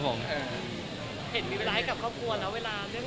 ครับครับครับครับครับครับครับครับครับ